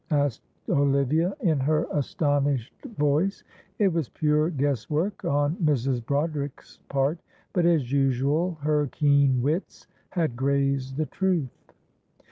asked Olivia, in her astonished voice. It was pure guess work on Mrs. Broderick's part, but as usual her keen wits had grazed the truth.